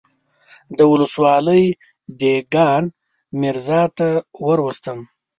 د ولسوالۍ دېګان ميرزا ته وروستم.